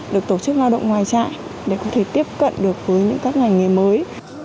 được tổ chức lao động ngoài trại để có thể tiếp cận được với những các ngành nghề mới